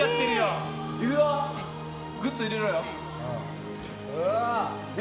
グッと入れろよ。